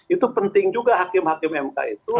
itu penting juga hakim hakim mk itu